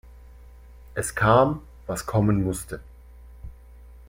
Es kam, was kommen musste.